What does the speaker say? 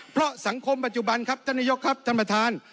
เพราะสังคมปัจจุบันครับท่านนายกครับท่านประธาน